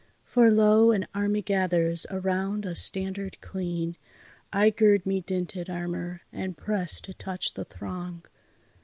For, lo! an army gathers around a standard clean; I gird me dinted armour, and press to touch the throng.